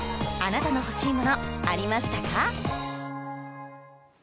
あなたの欲しいものありましたか？